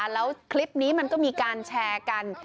แล้วคลิปนี้มันก็มีการแชร์กัน